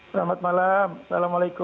selamat malam assalamualaikum